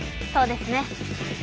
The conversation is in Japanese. そうですね。